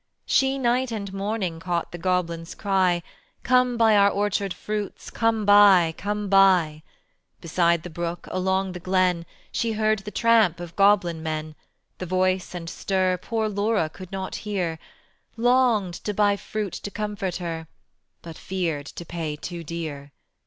She night and morning Caught the goblins' cry: "Come buy our orchard fruits, Come buy, come buy." Beside the brook, along the glen, She heard the tramp of goblin men, The voice and stir Poor Laura could not hear; Longed to buy fruit to comfort her, But feared to pay too dear.